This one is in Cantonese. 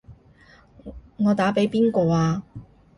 我打畀邊個啊？